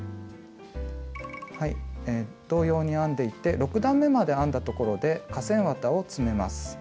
同様に編んでいって６段めまで編んだところで化繊綿を詰めます。